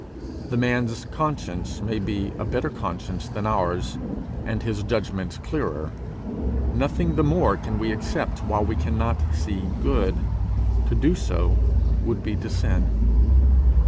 The man's conscience may be a better conscience than ours, and his judgment clearer; nothing the more can we accept while we cannot see good: to do so would be to sin.